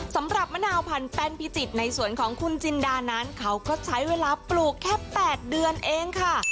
สำหรับมะนาวพันแป้นพิจิตรในสวนของคุณจินดานั้นเขาก็ใช้เวลาปลูกแค่๘เดือนเองค่ะ